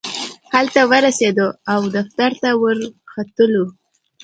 هلته ورسېدو او دفتر ته ورختلو.